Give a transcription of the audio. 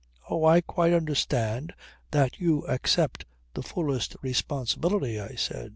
"Oh I quite understand that you accept the fullest responsibility," I said.